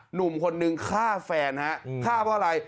หนุ่มคนนึงฆ่าแฟนฮะฆ่าเพราะอะไร